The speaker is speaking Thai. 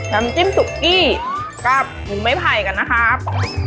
น้ำจิ้มสุกี้กับหมูไม้ไผ่กันนะครับ